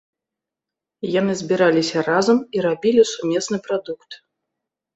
Яны збіраліся разам і рабілі сумесны прадукт.